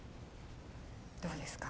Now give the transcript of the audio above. どうですか？